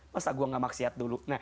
masa saya tidak maksiat dulu